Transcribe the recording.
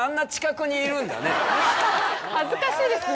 恥ずかしいですね